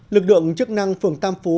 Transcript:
lực lượng chức năng phường tam phú